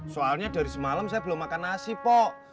soalnya dari semalam saya belum makan nasi pok